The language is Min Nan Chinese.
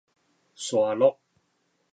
沙轆